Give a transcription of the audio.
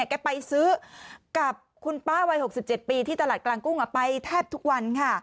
ไปซื้อกับคุณป้าวัย๖๗ปีที่ตลาดกลางกุ้งไปแทบทุกวันค่ะ